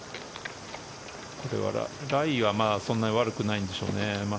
これはライがそんなに悪くないんでしょうね。